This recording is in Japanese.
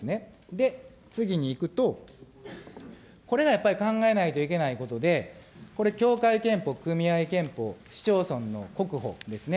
で、次にいくと、これがやっぱり考えないといけないことで、これ、協会けんぽ、組合健保、市町村の国保ですね。